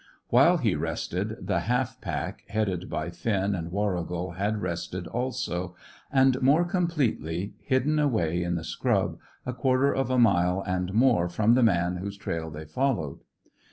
While he rested, the half pack, headed by Finn and Warrigal, had rested also, and more completely, hidden away in the scrub, a quarter of a mile and more from the man whose trail they followed.